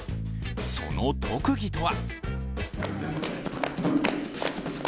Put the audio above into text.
その特技とは？